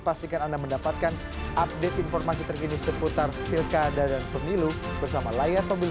pastikan anda mendapatkan update informasi terkini seputar pilkada dan perbuatan